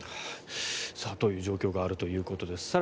という状況があるということです。